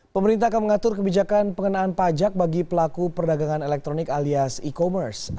pemerintah akan mengatur kebijakan pengenaan pajak bagi pelaku perdagangan elektronik alias e commerce